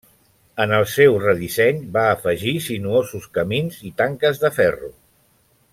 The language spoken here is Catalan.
En el seu redisseny, va afegir sinuosos camins i tanques de ferro.